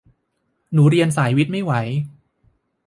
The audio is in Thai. หนูเรียนสายวิทย์ไม่ไหว